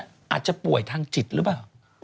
อาจจะป่วยทางจิตหรือเปล่า